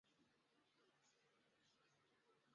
欧瓦黄藓为油藓科黄藓属下的一个种。